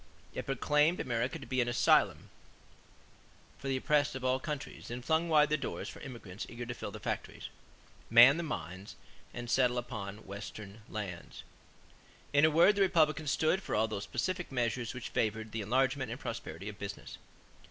It proclaimed America to be an asylum for the oppressed of all countries and flung wide the doors for immigrants eager to fill the factories, man the mines, and settle upon Western lands. In a word the Republicans stood for all those specific measures which favored the enlargement and prosperity of business.